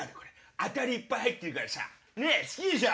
当たりいっぱい入ってるからさねぇ好きでしょ？